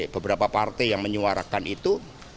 beberapa partai yang menyuarakan itu